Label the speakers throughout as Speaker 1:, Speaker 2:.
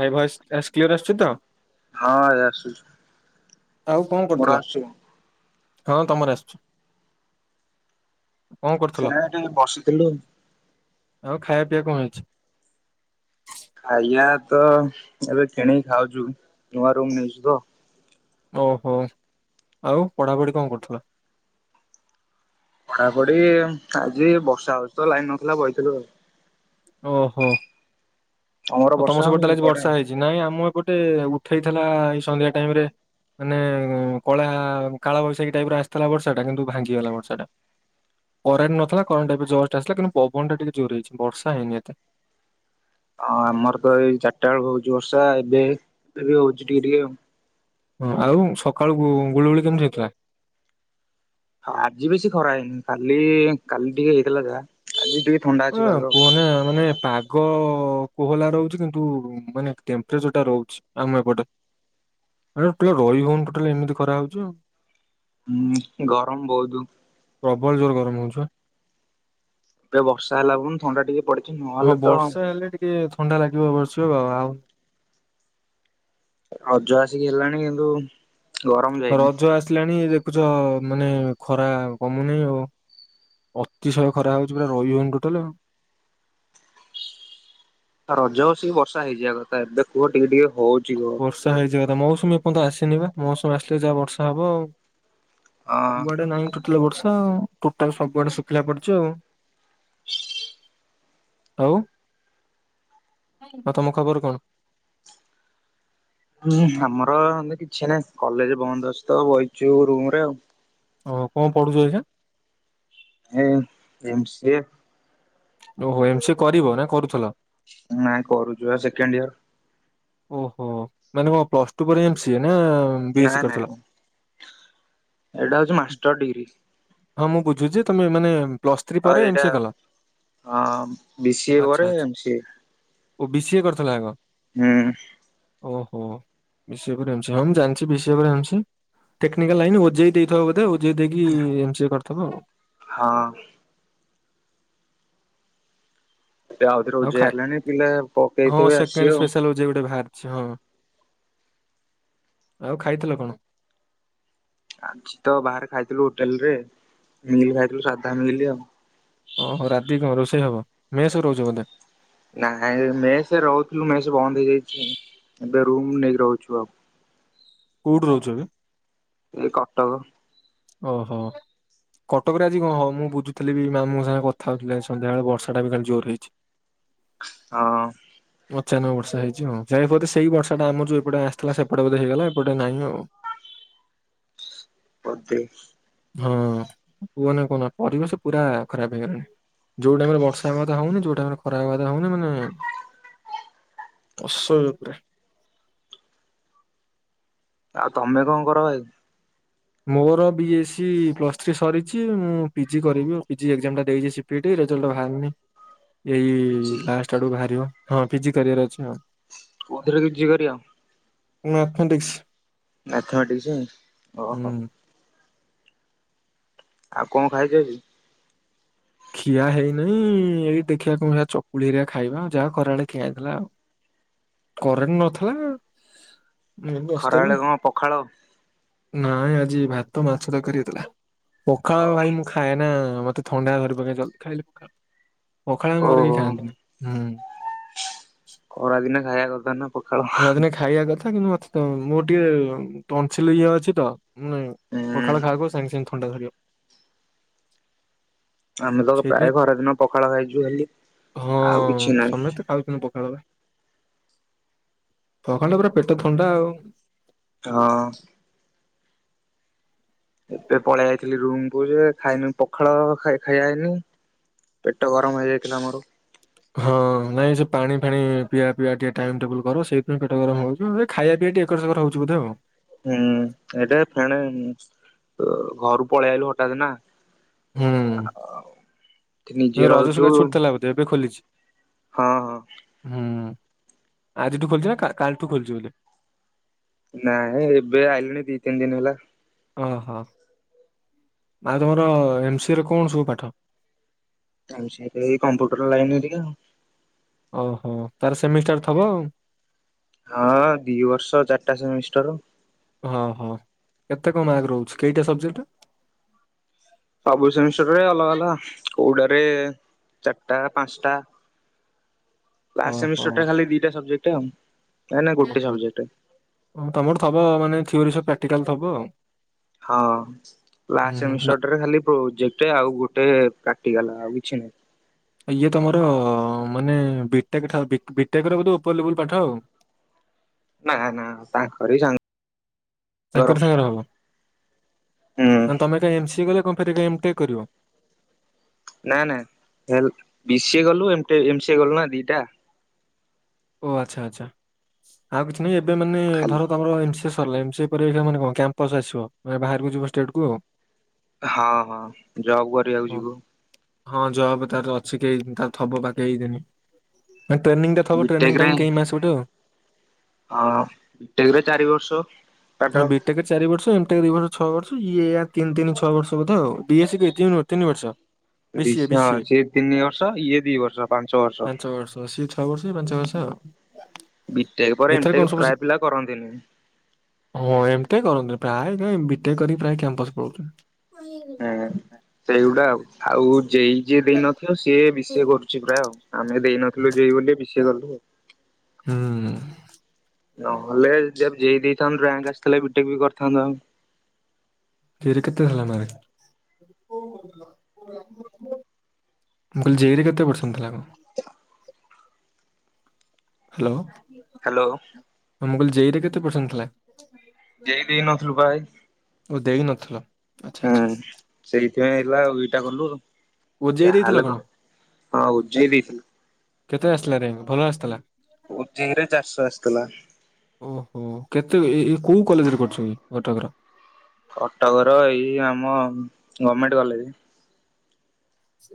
Speaker 1: ଭାଇ voice is clear ଆସଛି ତ?
Speaker 2: ହଁ ଏ ଆସୁଛି
Speaker 1: ଆଉ କଣ
Speaker 2: ମୋର
Speaker 1: କରୁଥିଲ?
Speaker 2: ଆସୁଛି
Speaker 1: ହଁ ତମର ଆସୁଛି। କଣ କରୁଥିଲ?
Speaker 2: ସେନାରେ ଟିକେ ବସିଥିଲୁ।
Speaker 1: ଏବେ କଣ ହେଇଚି।
Speaker 2: ଖାଇବା ତ ଏବେ କିଣିକି ଖାଉଛୁ ନୂଆ ରୁମ୍ ନେଇଛୁ ତ।
Speaker 1: ଓହୋ ଆଉ ପଢାପଢି କଣ କରୁଥିଲ?
Speaker 2: ପଢ଼ାପଡି ଆଜି ବର୍ଷା ହଉଚିତ ଲାଇନ ନଥିଲା ବଇଥିଲୁ ଆଉ।
Speaker 1: ଓହୋ,
Speaker 2: ତମର
Speaker 1: ଆଉ
Speaker 2: ବର୍ଷା
Speaker 1: ତମ ସେପଟ
Speaker 2: ହଉନି କି
Speaker 1: ତାହଲେ ଆ
Speaker 2: ଏପଟେ?
Speaker 1: ବର୍ଷା ହେଇଛି ନାଇଁ ଆମ ଏପଟେ ଗ ଉଠେଇଥିଲା ଏଇ ସନ୍ଧ୍ୟା ଟାଇମ ରେ ମାନେ କଳା କାଳ ବୈଶାଖୀ ଟାଇପ ରେ ଆସିଥିଲା ବର୍ଷା ଟା କିନ୍ତୁ ଭାଙ୍ଗିଗଲା ବର୍ଷା ଟା କରେଣ୍ଟ ନଥିଲା କରେଣ୍ଟ ଟାଇପ ଜୋର ଟା ଆସିଥିଲା କିନ୍ତୁ ପବନ ଟା ଟିକେ ଜୋର ହେଇଛି ବର୍ଷା ନାଁ ହେଇନି ଏତେ।
Speaker 2: ହଁ ଆମର ତ ଏଇ ଚାରିଟା ବେଳକୁ ହଉଛି ବର୍ଷା ଏବେ ଏବେ ବି ହଉଛି ଟିକେ ଟିକେ ଆଉ।
Speaker 1: ହଁ ଆଉ ସକାଳୁ ଗୁଳୁଗୁଳି କେମିତି ହେଇଥିଲା?
Speaker 2: ଆଜି ବେଶୀ ଖରା ହେଇନି। କାଲି କାଲି ଟିକେ ହେଇଥିଲା ଯାହା ଆଜି ଟିକେ ଥଣ୍ଡା ଅଛି
Speaker 1: ଅଁ
Speaker 2: ପାଗ ଆଉ।
Speaker 1: କୁହନା ମାନେ ପା ପାଗ କୋହଲା ରହୁଛି କିନ୍ତୁ ମାନେ ଟେମ୍ପରେଚର ଟା ରହୁଛି ଆମ ଏପଟେ। ରହି ହଉନି ଟୋଟାଲ ଏମିତି ଖରା ହଉଛି ଆଉ।
Speaker 2: ହୁଁ ଗରମ ବହୁତ
Speaker 1: ପ୍ରବଳ ଜୋର ଗରମ ହଉଚି ବା
Speaker 2: ଏବେ ବର୍ଷା ହେଲା ଦିନୁ ଥଣ୍ଡା ଟିକେ ପଡିଛି।
Speaker 1: ହଁ
Speaker 2: ନହେଲେ ତ
Speaker 1: ବର୍ଷା ହେଲେ ଟିକେ ଥଣ୍ଡା ଲାଗିବ। [unintelligible]
Speaker 2: ରଜ ଆସିକି ହେଲାଣି କିନ୍ତୁ ଗରମ ଯାଇନି।
Speaker 1: ରଜ ଆସିଲାଣି ଚ ମାନେ ଖରା କମୁନେଇ ଆଉ। ଅତିଶୟ ଖରା ହଉଛି ପୁରା ରହିହଉନି ଟୋଟାଲ ଆଉ।
Speaker 2: ଆ ରଜ ଆସିକି ବର୍ଷା ହେଇଯିବା କଥା ଏବେ କୁହ ଟିକେ ଟିକେ ହଉଛି କୁହ
Speaker 1: ବର୍ଷା ହେଇଯିବା କଥା ମୌସୁମୀ ଏପର୍ଯ୍ୟନ୍ତ ଆସିନି ବା ମୌସୁମୀ ଆସିଲେ ଯାହା ବର୍ଷା ହବ ଆଉ।
Speaker 2: ଅ
Speaker 1: କୁଆଡେ ନାହିଁ ଟୋଟାଲି ବର୍ଷ ତ ଟୋଟାଲ ସବୁଆଡେ ଶୁଖିଲା ପଡିଛି ଆଉ। ଆଉ ଆଉ ତମ ଖବର କଣ?
Speaker 2: ହୁଁ ଆମର କିଛି ନାହିଁ କଲେଜ ବନ୍ଦ ଅଛି ତ ବଇଛୁ ରୁମ୍ ରେ ଆଉ।
Speaker 1: ଓ କଣ ପଢୁଚ ଏଇନା?
Speaker 2: ଏ ଏମସିଏ
Speaker 1: ଓହୋ ଏମସିଏ କରିବ ନା କରୁଥୁଲ?
Speaker 2: ନାଇଁ କରୁଚୁ ବା ସେକେଣ୍ଡ ଇୟର
Speaker 1: ଓହୋ ମାନେ କଣ ପ୍ଲସ ଟୁ ପରେ ଏମସିଏ? ନା ନା
Speaker 2: ନାଇଁ
Speaker 1: ବିଏସି
Speaker 2: ନାଇଁ
Speaker 1: କରିସାରି
Speaker 2: ଏଇଟା ହଉଚି ମାଷ୍ଟର ଡିଗ୍ରୀ।
Speaker 1: ହଁ ମୁଁ ବୁଝୁଛି ଯେ ତମେ ମାନେ ପ୍ଲସ୍ ଥ୍ରୀ ପରେ
Speaker 2: ଆଉ
Speaker 1: ଏମ୍
Speaker 2: ଏଇଟା
Speaker 1: C A call
Speaker 2: a BCA
Speaker 1: ଆଚ୍ଛା
Speaker 2: ପରେ
Speaker 1: ଆଚ୍ଛା
Speaker 2: ଏମସିଏ।
Speaker 1: ଓ ବିସିଏ କରିଥିଲ ଆଗ?
Speaker 2: ହୁଁ।
Speaker 1: ଓହୋ ବିସିଏ ପରେ ଏମସିଏ। ହଁ ମୁଁ ଜାଣିଛି ବିସିଏ ପରେ ଏମସିଏ। ଟେକ୍ନିକାଲ ଲାଇନ ଓଜେଇ ଦେଇଥିବା ବୋଧେ। ଓଜେଇ ଦେଇକି ଏମସିଏ କରିଥବ ଆଉ।
Speaker 2: ହଁ ଆଉଥରେ
Speaker 1: ଆଉ
Speaker 2: ଓଜେଇ
Speaker 1: ଖାଇ
Speaker 2: ବାହାରିଲାଣି। ପିଲା
Speaker 1: ହଁ
Speaker 2: ପକେଇଥିବେ
Speaker 1: ସେକେଣ୍ଡ
Speaker 2: ଆସିବ ଆଉ।
Speaker 1: ସ୍ପେଶାଲ ଓ ଜେ [unintelligible] ଆଉ ଖାଇଥିଲ କଣ?
Speaker 2: ଆଜି ତ ବାହାରେ ଖାଇଥିଲୁ ହୋଟେଲ ରେ ମିଲ୍ ଖାଇଥିଲୁ ସାଧା ମିଲ୍ ଆଉ।
Speaker 1: ଓହୋ ରାତି କଣ ରୋଷେଇ ହବ। ମେସ୍ ରେ ରହୁଚ ବୋଧେ?
Speaker 2: ନାଇଁ ମେସ୍ ରେ ରହୁଥିଲୁ ମେସ୍ ବନ୍ଦ ହେଇଯାଇଛି। ଏବେ ରୁମ ନେଇକି ରହୁଛୁ ଆଉ।
Speaker 1: କୋଉଠି ରହୁଛ ଏବେ?
Speaker 2: ଏଇ କଟକ।
Speaker 1: ଓହୋ। କଟକରେ ଆଜି କଣ ମୁଁ ବୁଝୁଥିଲି ବି ମାମୁଙ୍କ ସାଙ୍ଗେ କଥା ହଉଥିଲି ସନ୍ଧ୍ୟାବେଳେ ବର୍ଷା ଟା ବି କାଲି ଜୋର ରେ ହେଇଚି।
Speaker 2: ହ।
Speaker 1: ଅଚାନକ ବର୍ଷା ହେଇଛି ହଁ ଯାଇପରି ସେଇ ବର୍ଷା ଟା ଆମର ଯୋଉ ଏପଟେ ଆସିଥିଲା ସେପଟେ ବୋଧେ ହେଇଗଲା ଏପଟେ ନହିଁ ଆଉ।
Speaker 2: ବଧେ।
Speaker 1: ହଁ କୁହନ କୁହନା ପରିବେଶ ପୁରା ଖରାପ ହେଇଗଲାଣି ଯୋଉ ଟାଇମ ରେ ବର୍ଷା ହବା ହଉନି ଯୋଉ ଟାଇମ ଖରା ହବା ହଉନି ମାନେ ଅସ ପା।
Speaker 2: ଆଉ ତମେ କଣ କର ଭ
Speaker 1: ମୋର ବି ଏସ୍ ସ ପ୍ଲସ୍ ଥ୍ରୀ ସରିଛି ମୁଁ ପିଜି କରିବି ଆ ପିଜି ଏକ୍ଜାମ ଟା ଦେଇଛି ସିପିଟି ରେଜଲ୍ଟ ବାହାରନି। ଏଇ
Speaker 2: ପିଜି
Speaker 1: ଲାଷ୍ଟ ଆଡୁ ବାହାରିବ। ହଁ ପିଜି କରିୟାର ଅଛି ହଁ।
Speaker 2: ଅରେ ଜିକାର
Speaker 1: ମ୍ୟାଥମେଟିକ୍ସ
Speaker 2: ନାଥ କଛି
Speaker 1: ହୁଁ।
Speaker 2: ଓହୋ। ଆଉ କଣ ଖାଇଛ କି।
Speaker 1: ଖିଆ ହେଇନହିଁ ଏଇଠି ଦେଖିବାକୁ ମିଆ ଚକୁଳି ହେରିଆ ଖାଇବା ଯାହା ଖରାଡେ ଖିଆ ହେଇଥିଲା ଆଉ କରେଣ୍ଟ ନଥିଲା। ଏଇ ବସିଥିଲୁ
Speaker 2: ଖରାବେେଳେ କଣ ପଖାଳ?
Speaker 1: ନାଇଁ ଆଜି ଭାତ ମାଛ ତ କରିଥିଲା। ପଖଳ ଭାଇ ମୁଁ ଖାଏ ନା ଥଣ୍ଡାରେ ଚା ଖାଇଲେ ପଖାଳ ମରିକି
Speaker 2: ଓହୋ।
Speaker 1: ଖାଆନ୍ତିନି ହୁଁ।
Speaker 2: ଖରାଦିନେ ଖାଇବା କଥା ନା ପଖାଳ ହୁଁ
Speaker 1: ଖରାଦିନେ ଖାଇବା କଥା କିନ୍ତୁ ମତେ ତ ମୋର ଟିକେ ତନସିଲ ଇ ଅଛି ତ। ହଁ ନାଇଁ ପଖାଳ ଖାଇବାକୁ ସାଙ୍ଗେ ସାଙ୍ଗ ଖଣ୍ଡ ଧାର
Speaker 2: ଆମେ ତ ପ୍ରାୟ ଖରାଦିନ ପଖାଳ ଖାଇଛୁ ହେଲି ଆଉ
Speaker 1: ହଁ
Speaker 2: କିଛି ନହିଁ।
Speaker 1: ସମସ୍ତେ ସଖଣ୍ଡ ପୁରା ପେଟ ଥଣ୍ଡା ଆଉ
Speaker 2: ହଁ ଏବେ ପଳେଇ ଯାଇଥିଲି ରୁମ ଖାଇନି ପଖାଳ ଖାଇଆାଇନି ପେଟ ଗରମ ହେଇଯାଇଥିଲା ଆମର
Speaker 1: ହଁ ନାଇଁ ସେ ପାଣି ଫାଣି ପିଇବା ପିଆ ଟିକେ ଟାଇମ ଟେବୁଲ କର ସେଇଥିପାଇଁ ପେଟ ଗରମ ହଉଛି ଖାଇବା ପିଇ ଟିକେ ଏକରକର ହଉଛି ବୁଧେଇ ହଉ
Speaker 2: ହୁଁ ଏଟା ଫେଣ ଘରୁ ପଳେଇ ଆଲୁ ହଠାତ୍ ନା ହଉ।
Speaker 1: ଏଇ ରଜସା ଛୁଟ ଥିଲା ବୋଧେ ଏବେ ଖୋଲିଛି।
Speaker 2: ହଁ ହଁ।
Speaker 1: ହୁଁ ଆଜିଠୁ ଖୋଲଛି ନା କା ଟୁ ଖୋଲିଛି ବୋଲି
Speaker 2: ନାଇଁ ଏବେ ଆଇିଲଣି ଦି ତିନି ଦିନ ହେଲା।
Speaker 1: ଓହୋ ଆଉ ତମର ଏମସିରେ କଣ ସବୁ ପାଠ।
Speaker 2: ସେ କମ୍ପ୍ୟୁଟର ଲାଇନ ହେ ଟିକା
Speaker 1: ଓହୋ ତାର ସେମିଷ୍ଟାର ଥବ ଆଉ
Speaker 2: ହଁ ଦି ବର୍ଷ ଚାରିଟା ସେମିଷ୍ଟର
Speaker 1: ହଁ ହଁ କେତେ କଣ ମାର୍କ ରହୁଛି କେଇଟା ସବଜେକ୍ଟ୍
Speaker 2: କଉଡାରେ ଚାର୍ ଟା ପାଞ୍ଚ ଟା ଲାଷ୍ଟ
Speaker 1: ଓହୋ
Speaker 2: ସେମିଷ୍ଟର୍ ଟା ଖାଲି ଦିଟା ସବଜେକ୍ଟ୍ ଟ [unintelligible]
Speaker 1: ତମର ଥବ ମାନେ ଥିଓରି ସବୁ [unintelligible] ଟିକାଲ୍ ଥବ ଆଉ
Speaker 2: ହଁ
Speaker 1: ହୁଁ
Speaker 2: ଲାଷ୍ଟ୍
Speaker 1: ହୁଁ ମା-
Speaker 2: ସେମିଷ୍ଟର୍ ଠାରେ ଖାଲି ପ୍ରୋଜେକ୍ଟ୍ ଗୋଟେ ଆଉ ଗୋଟେ ପ୍ରାକ୍ଟିକାଲ୍ ଆଉ କିଛି ନାହିଁ
Speaker 1: ଇଏ ତମର ମାନେ ବିଟେକ୍ ଠାରୁ, ବିଟେକ୍ ର ଉପର ଲେବୁଲ ପାଠ ଆଉ
Speaker 2: ନା ନା ତା ଆରେ ସାଙ୍ଗ
Speaker 1: ତାଙ୍କରି ସାଙ୍ଗରେ ହବ
Speaker 2: ହୁଁ
Speaker 1: ମ ତମେ କାହି ଏମ୍ ସି ଏ କଲ କଣ ଫେରିକା ଏମ୍ଷ ଟେକ୍ କରିବ
Speaker 2: ନାଁ ନାଁ ବି ସି ଏ କଲୁ ଏମ ସି ଏ କଲୁ ନା ଦିଟା
Speaker 1: ଓ ଆଚ୍ଛା ଆଚ୍ଛା ଆଉ କିଛି । ନାଇଁ ଏବେ ମାନେ
Speaker 2: ଖାଲି
Speaker 1: ଧର ତମର ଏ C S M C A ପରୀକ୍ଷା ମାନେ କଣ କ୍ୟାମ୍ପସ୍ ଆସିବ ମାନେ ବାହାରକୁ ଯିବ ଷ୍ଟେଟ୍ କୁ
Speaker 2: ହଁ ହଁ ଜବ୍ କରିବାକୁ
Speaker 1: ଓ,
Speaker 2: ଯିବୁ
Speaker 1: ହଁ ଜବ୍ ତାର ଅଛି ଥବ ବା କେଇ ଦିନି ଟ୍ରେନିଂ ଟା ତ
Speaker 2: ବିଟେକ୍
Speaker 1: ନିଂ [unintelligible]
Speaker 2: ରେ
Speaker 1: ଟାଇମ୍ କେମ ଆସିବୁ ଠୁ
Speaker 2: ହଁ ବିଟେକ୍ ରେ ଚାରି ବର୍ଷ
Speaker 1: ହଁ
Speaker 2: କାଟ
Speaker 1: ବିଟେକ୍ ଚାରି ବର୍ଷ ଦି ବର୍ଷ ଛ ବର୍ଷ ଇଏ ତିନ୍ ତିନ୍ ଛଅ ବର୍ଷ ବୋଧେ [unintelligible] ତିନି ବର୍ଷ ବିସିଏ
Speaker 2: ହଁ
Speaker 1: ବିସିଏ
Speaker 2: ସି ତିନି ବର୍ଷ ଇଏ ଦି ବର୍ଷ ପାଞ୍ଚ ବର୍ଷ
Speaker 1: ଛ ଅ ବର୍ଷ ଆଉ
Speaker 2: ବିଟେକ୍ ପରେ
Speaker 1: ଏଥର କଣ
Speaker 2: ଏମ୍ଟେକ୍
Speaker 1: ସବୁ ଶି
Speaker 2: ପ୍ରାୟ ପିଲା କରନ୍ତି ନି
Speaker 1: ହଁ ଏମ୍ଟେକ୍ କରନ୍ତିନି ପ୍ରାୟ ବିଟେକ କରି ପ୍ରାୟ କ୍ୟାମ୍ପସ ପଳଉଛନ୍ତି।
Speaker 2: ହୁଁ ସେଇଗୁଡା ଆଉ ଆଉ [unintelligible] ଯେଇ ଯିଏ ଦେଇନଥିଲ ସିଏ ବିଷିଏ କରୁଛି ପ୍ରାୟ ଆଉ ଆମେ ଦେଇନଥିଲୁ ଯେଇ ବୋଲି ବିଷିଏ କଲୁ ଆଉ।
Speaker 1: ହୁଁ।
Speaker 2: ନହେଲେ ଯଵ୍ ଯେଇ ରାଙ୍କ୍ ଆସିଥିଲେ ବିଟେକର ବି କରିଥାନ୍ତା ଆଉ
Speaker 1: ଯେଇରେ କେତେ ଥିଲା? [unintelligible] ମ ମୁ କହିଲ ଜେର କେତେ ପର୍ସେଣ୍ଟ ଥିଲା କଣ?
Speaker 2: ତ [unintelligible]
Speaker 1: ହାଲୋ ।
Speaker 2: ହାଲୋ।
Speaker 1: ଜେଇରେ କେତେ ପର୍ସେଣ୍ଟ ଥିଲା?
Speaker 2: ଯେଇ ଦେଇ ନଥିଲୁ ଭାଇ।
Speaker 1: ନ ଥିଲା।
Speaker 2: ହଁ ସେଇ ଏଥିପାଇଁ ହେଲା ଆଉ ଏଇଟା କଲୁ
Speaker 1: ଓଜେଇ ଦେଇଥିଲ
Speaker 2: ଯାହାହାଲ କଣ, ହଁ ଓଜେଇ ଦେଇଥିଲ।
Speaker 1: କେତେ ଆସିଲା ରେଙ୍କ ଭଲ ଆସିଥିଲା?
Speaker 2: ଉଜେଇ ରେ ଚାରିଶହ ଆସିଥିଲା
Speaker 1: ଓହୋ କେତେ ଏ ଏ କଉ କଲେଜରେ କରୁଚ କି କଟକର?
Speaker 2: କଟକର ଏଇ ଆମ ଗମେଣ୍ଟ କଲେଜ।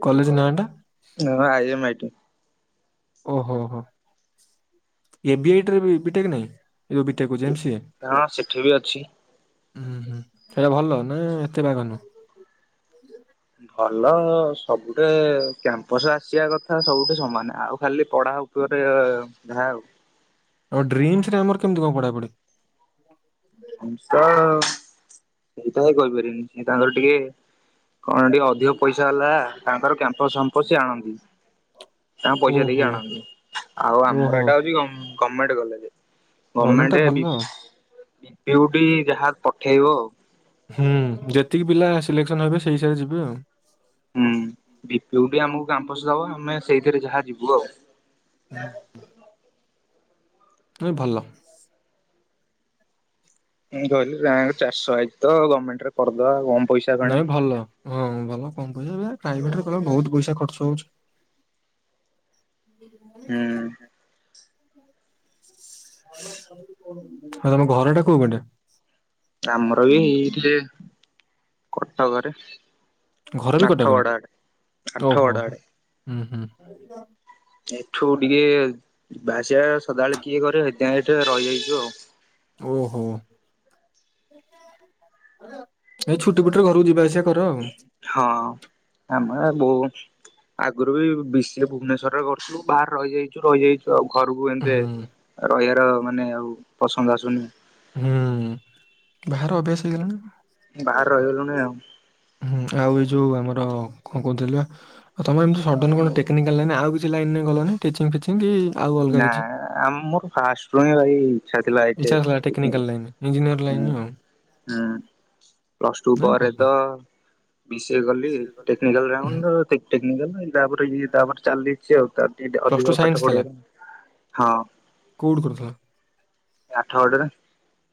Speaker 1: କଲେଜ ନାଟା?
Speaker 2: ହଁ ଆଇ ଏମ ଆଇ ଟି।
Speaker 1: ଓହୋ ହୋ, ଏବି ଆଇ ଟିରେ ବି ବିଟେକ ନାଇଁ, ଯୋଉ ବି
Speaker 2: ହଁ ସେଠି ବି ଅଛି।
Speaker 1: ହୁଁ ହୁଁ, ସେଇଟା ଭଲ ନା ଏତେ ବାଗ ନୁହଁ?
Speaker 2: ଭଲ ସବୁଠେ କ୍ୟାମ୍ପସ ଆସିବା କଥା ସବୁଠ ସମାନ ଆଉ ଖାଲି ପଢା ଉପରେ ଟିକେ ଯାହା ଆଉ।
Speaker 1: ଆଉ ଡ୍ରିମ୍ସରେ ଆମର କେମତି କଣ ପଢା ପଢି?
Speaker 2: [unintelligible] ସେଇଟା ହିଁ କହିପାରିବିନି, ସେ ତାଙ୍କର ଟିକେ କଣ ଟିକେ ଅଧିକ ପଇସା ହେଲା ତାଙ୍କର କ୍ୟାମ୍ପସ ଫମ୍ପସ୍ ସି ଆଣନ୍ତି। ତା ପଇସା ଦେଇକି
Speaker 1: ଓହୋ
Speaker 2: ଆଣନ୍ତି, ଆଉ ଆମର
Speaker 1: ଓହୋ
Speaker 2: ଏଇଟା ହଉଛି ଗମ୍ ମେଣ୍ଟ କଲେଜେ।
Speaker 1: ଗଭର୍ଣ୍ଣମେଣ୍ଟ ଟା
Speaker 2: ଗମେଣ୍ଟ
Speaker 1: ଭଲ
Speaker 2: ବି
Speaker 1: ଆଉ
Speaker 2: ପୀଉଟି ଯାହା ପଠେଇବ ଆଉ।
Speaker 1: ହୁଁ ଯେତିକି ପିଲା ଆ -
Speaker 2: ହୁଁ ବି ପି ୟୁ ଟି ଆମକୁ କାମ୍ପସ୍ ଆମେ ସେଇଥିରେ ଯାହା ଯିବୁ ଆଉ।
Speaker 1: ହୁଁ ହୁଁ। ହ ଭଲ।
Speaker 2: ମୁଁ କହିଲି ରି୍ୟାଙ୍କ ଚାରି ଶହ ଆସିଛି ତ ଗମେଣ୍ଟ ରେ କରିଦବା। ପଇସା
Speaker 1: ନଁ
Speaker 2: କଣେ।
Speaker 1: ଭଲ ହଁ ଭଲ। କମ୍ ପଇସା, ପ୍ରାଇଭେଟରେ କଲେ ବହୁତ ପଇସା ଖର୍ଚ୍ଚ ହଉଚି।
Speaker 2: ହୁଁ।
Speaker 1: ଆଉ ତମ ଘର ଟା କୋଉ ବାଟେ?
Speaker 2: ଆମର ବି ଏଇଠି କଟକରେ।
Speaker 1: ଘର ବି କଟାକରେ
Speaker 2: ଆଠଗଡ ଆଡେ ଆଠଗଡ
Speaker 1: ଓହୋ
Speaker 2: ଆଡେ
Speaker 1: ଆ [inaudible]
Speaker 2: ଏଠୁ ଟିକେ ବାସିବା ସଦାବେଳେ କିଏ କରେ ହେଥି ସେଠି ରହିଯାଇଛିୁ ଆଉ [unintelligible]
Speaker 1: ଓହୋ ଏଇ ଛୁଟି ପଟରେ ଘରକୁ ଯିବା ଆସ -
Speaker 2: ହଁ ଆ ଆଗରୁ ବି ବେଶି ଭୁବନେଶ୍ୱର ରେ ରହୁଥିଲୁ ବାହାରେ ରହିଯାଇଛୁ ରହିଯାଇଛୁ ଆଉ। ଘରକୁ ଏମିତି
Speaker 1: ହୁଁ
Speaker 2: ରହିବା - ମାନେ ଆଉ ପସନ୍ଦ ଆସୁନି
Speaker 1: ହୁଁ ବାହାର ଅଭ୍ୟାସ ହେଇଗଲାଣି।
Speaker 2: ବାହାର ରହି ଗଲୁଣି ଆଉ।
Speaker 1: ହୁଁ ଆଉ ଏଇ ଯୋଉ ଆମର କଣ କହୁଥିଲ ଆଉ ତମର ଏମତି ସଡନ କଣ ଟେକ୍ନିକାଲ ଲାଇନ ଆଉ କିଛି ଲାଇନ ଗଲନି? କି ଆଉ ଅଲଗା
Speaker 2: ନା
Speaker 1: କିଛି
Speaker 2: ଆମ ମର ଫାଷ୍ଟଣୀ ଭାଇ [unintelligible] ଥିଲାଠ
Speaker 1: ଇଚ୍ଛା ଥିଲା ଟେକ୍ନିକାଲ ଲାଇନ ଇଞ୍ଜିନିୟର ଲାଇନ ଆଉ
Speaker 2: ପ୍ଲସ ଟୁ
Speaker 1: ନା
Speaker 2: ପରେ
Speaker 1: ଭଲ
Speaker 2: ତ ବିସିଏ [unintelligible] କଲିିକାଲ ତାପରେ ତାପରେ ଚାଲଲି ଯ ତା ଦି ଅଧିକ ପାଠ ପଢିବା। ହଁ
Speaker 1: କଉଠି କରିଥିଲ?
Speaker 2: ଆଠ ଗଡରେ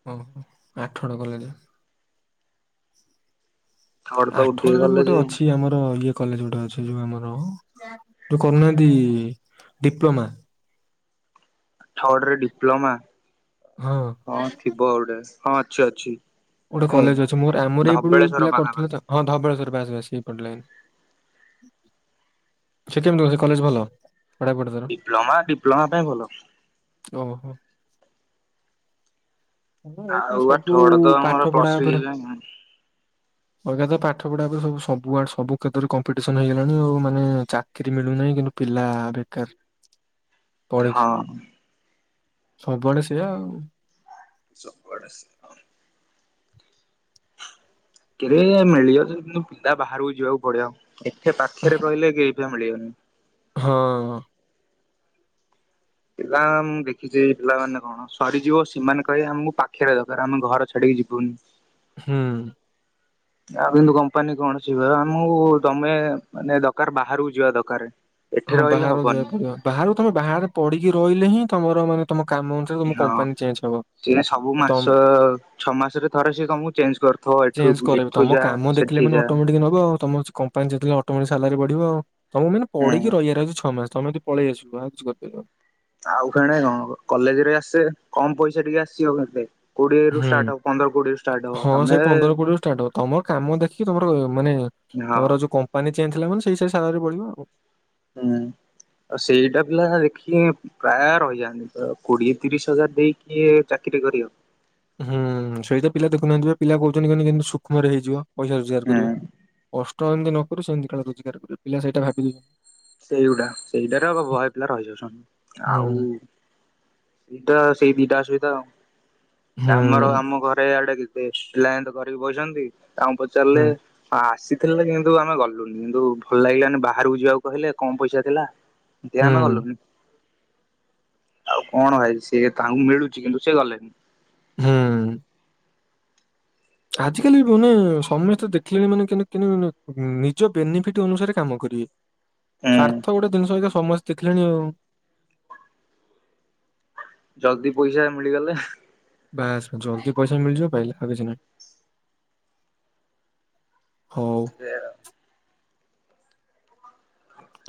Speaker 1: ହଁ ହ ଆଠଗଡ଼ କଲେଜ
Speaker 2: ଥର୍ଡ ତ
Speaker 1: ଆଠଗଡ଼ ରେ ବି
Speaker 2: ଉଠିଗଲେ
Speaker 1: ଗୋଟେ
Speaker 2: ଯେ
Speaker 1: ଅଛି ଆମର ଇଏ - କଲେଜ ଗୋଟେ ଅଛି ଯୋଉ ଆମର କରୁନାହାନ୍ତି ଡିପ୍ଲୋମା
Speaker 2: ଥର୍ଡ ରେ ଡିପ୍ଲୋମା
Speaker 1: ହଁ
Speaker 2: ହଁ ଥିବ ଆଉ ଗୋଟେ ହଁ ଅଛି ଅଛି
Speaker 1: ଗୋଟେ
Speaker 2: ନାଇଁ
Speaker 1: କଲେଜ ଅଛି ମୋର ଆମର ଏଇୋ
Speaker 2: ଧବଳେଶ୍ଵର
Speaker 1: ପିଲା
Speaker 2: ପାଖାପାଖି।
Speaker 1: କରିଥିଲ ହଁ ଧବଳେଶ୍ୱର ସେ କେମିତି କଲେ ଭଲ ପଢାପଢି ତାର
Speaker 2: ଡିପ୍ଲୋମା ଡିପ୍ଲୋମା ପାଇଁ ଭଲ
Speaker 1: ଓହୋ ଏଇ ସବୁ ପା
Speaker 2: ପ୍ସ
Speaker 1: ଅଜ୍ଞା ତ ପାଠ ପଢା ସବୁ ସବୁଡ ସବୁ କ୍ଷେତ୍ରରେ କମ୍ପିଟିସନ ହେଇଗଲାଣି ଆଉ ମାନେ ଚାକିରି ମିଳୁନାହିଁ କିନ୍ତୁ ପିଲା ବେକାର ପଢିକି
Speaker 2: ହଁ
Speaker 1: ସବୁଆଡେ ସେଆା ଆଉ
Speaker 2: ସଡ [inaudible] କେରେ ମିଳିବ ତ କିନ୍ତୁ ପିଲା ବାହାରକୁ ଯିବାକୁ ପଡିବ। ଏଠି ପାଖରେ ରହିଲେ କେହି ପିଲା ମିଳିବନି।
Speaker 1: ହଁ।
Speaker 2: ପିଲା ମୁଁ ଦେଖିଛି ପିଲାମାନୋନେ କଣ ସରିଯିବ ସମାନେ କହିହେ ଆମକୁ ପାଖରେ ଦରକାର ଆମେ ଘର ଛାଡିକି ଯିବୁନି।
Speaker 1: ହୁଁ।
Speaker 2: ଆଉ କିନ୍ତୁ କମ୍ପାନୀ କଣ ସିବମକୁ ତମେ ମାନେ ଦରକାର ବାହାରକୁ ଯିବା ଦରକାର। ଏଠି
Speaker 1: ହଁ
Speaker 2: ରହିଲେ
Speaker 1: ବାହାର ଯିବା
Speaker 2: ହବନି
Speaker 1: ପଡିବ ବାହାରୁ ତମେ ବାହାରେ ପଡିକି ରହିଲେ ହିଁ ତମର ମାନେ ତମ କାମ ଅନୁସାରେ ତମ
Speaker 2: ହଁ।
Speaker 1: କମ୍ପାନୀ ଚେଞ୍ଜ ହେବ
Speaker 2: ସିଏ ସବୁ ମାସ ଛଅ ମାସରେ ଥରେ ସିଏ ତମକୁ ଚେଞ୍ଜ କରିଥିବ ଏଠୁ
Speaker 1: ଚେଞ୍ଜ [inaudible] କରେଇବେ
Speaker 2: ଏଠୁ
Speaker 1: ତମ
Speaker 2: ଯା
Speaker 1: କାମ ଦେଖିଲେ
Speaker 2: ସେଠି
Speaker 1: ମନେ
Speaker 2: ଯା।
Speaker 1: ଅଟୋମେଟିକ୍ ନେବ ତମ କମ୍ପାନୀ ଯେତିକି ଅଟୋମେଟିକ ସାଲାରି ବଢିବ। [unintelligible] ପଢିକି
Speaker 2: ହୁଁ
Speaker 1: ରହିିବାର ଅଛି ଛଅ ମାସ। ତମେ ତ ପଳେଇ ଆସିବୁ ଆଉ କିଛି କରିପାରିବ।
Speaker 2: ଆଉ କଣେ କଣ କଲେଜ ରେ ଆସେ କମ ପଇସା ଟିକେ ଆସିବ ବୋଧେ
Speaker 1: ହୁଁ ହଁ
Speaker 2: ତମେ
Speaker 1: ସେଇ ପନ୍ଦର କୋଡିରୁ ଷ୍ଟାର୍ଟ ହବ ତମର କାମ ଦେଖିକି ତମର ମାନେ
Speaker 2: ହଁ
Speaker 1: ତମର ଯୋଉ କମ୍ପାନୀ [unintelligible]
Speaker 2: ହୁଁ ଆଉ ସେଇଟା ପିଲା ଦେଖି ପ୍ରାୟ ରହିଯାଆନ୍ତି। ତ କୋଡିଏ ତିରିଶ ହଜାର ଦେଇକି ଚାକିରି କରିବ।
Speaker 1: ହୁଁ ସେଇଟା ପିଲା ଦେଖୁନାହାନ୍ତି ବା ପିଲା କହୁଛନ୍ତି କିନ୍ତୁ ସୂକ୍ଷ୍ମରେ ହେଇଯିବ? ପଇସା ରୋଜଗାର
Speaker 2: ହୁଁ
Speaker 1: କରିବା କଷ୍ଟ। ଏମିତି କରୁ ସେମିତି କାଳେ ରୋଜଗାର କରୁ ପିଲାଇଟା ଭାବିଉଛନ୍ତି।
Speaker 2: ସେଇଗୁଡା ସେଇଟାରେ ବୟ ପିଲା ରହିଯାଉଛନ୍ତି
Speaker 1: ହୁଁ
Speaker 2: ଆଉ ସେଇଟା ସେଇ ଦିଇଟା ଅସୁବିଧା ଆଉ ଆମର
Speaker 1: ହୁଁ।
Speaker 2: ଆମ ଘରେ ଆଡେ ଲାଇନ୍ ତ କରିକି ବସିଛନ୍ତି। ତାଙ୍କୁ ପଚାରିଲେ
Speaker 1: ହୁଁ
Speaker 2: ଆସି ଥିଲା କିନ୍ତୁ ଆମେ ଗଲୁନି କିନ୍ତୁ ଭଲ ଲାଗିଲା ଆମେ ବାହାରକୁ ଯିବାକୁ। କହିଲେ କମ ପଇସା ଥିଲା। ଧ୍ୟାନ
Speaker 1: ହୁଁ
Speaker 2: ଗଲୁନି। ଆଉ କଣ ଭାଇ ସି ତାଙ୍କୁ ମିଳୁଛି କିନ୍ତୁ ସେ ଗଲେନି।
Speaker 1: ହୁଁ। ଆଜ କାଲି ମାନେ ସମସ୍ତେ ଦେଖିଲେଣି ମାନେ ନିଜ ବେନିଫିଟ ଅନୁସାରେ କାମ କରିବେ।
Speaker 2: ହୁଁ
Speaker 1: ସ୍ଵାର୍ଥ ଗୋଟେ ଜିନିଷଛି ସମସ୍ତେ ଦେଖିଲାଣି ଆଉ। [inaudible]
Speaker 2: ଜଲଦି ପଇସା ମିଳିଗଲେ
Speaker 1: ବାସ ଜଲ୍ଦି ପଇସା ମିଳଯିବ ପାଇଲେ ଭଛି ନହିଁ। [inaudible]
Speaker 2: ସେ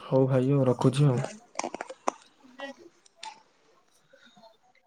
Speaker 1: ହଉ ଭାଇ ମୁଁ ରଖୁ ଖୁଚି ମୁଁ। [inaudible]